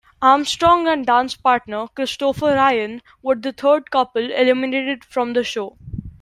Armstrong and dance partner, Christopher Ryan, were the third couple eliminated from the show.